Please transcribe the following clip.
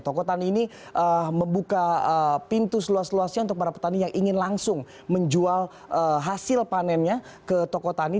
toko tani ini membuka pintu seluas luasnya untuk para petani yang ingin langsung menjual hasil panennya ke toko tani